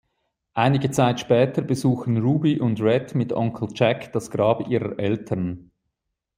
Einige Zeit später besuchen Ruby und Rhett mit Onkel Jack das Grab ihrer Eltern.